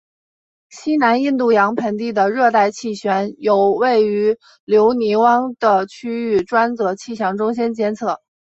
西南印度洋盆地的热带气旋由位于留尼汪的区域专责气象中心监测。